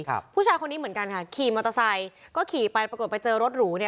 ผู้ชายคนนี้เหมือนกันค่ะขี่มอเตอร์ไซค์ก็ขี่ไปปรากฏไปเจอรถหรูเนี่ย